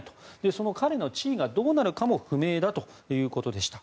その彼の地位がどうなるかも不明だということでした。